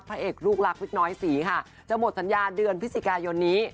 พระเอกลูกรักวิกน้อยศรีค่ะจะหมดสัญญาเดือนพฤศจิกายนนี้